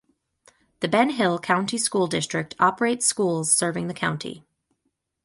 The Ben Hill County School District operates schools serving the county.